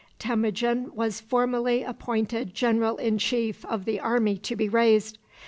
Temujin was formally appointed general in chief of the army to be raised.